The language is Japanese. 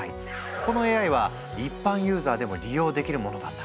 このＡＩは一般ユーザーでも利用できるものだった。